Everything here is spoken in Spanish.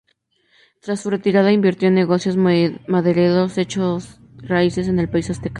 Tras su retirada invirtió en negocios madereros y echó raíces en el país azteca.